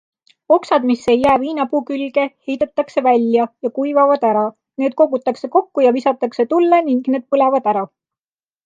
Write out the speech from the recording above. Oksad, mis ei jää viinapuu külge, heidetakse välja ja kuivavad ära, need kogutakse kokku ja visatakse tulle ning need põlevad ära.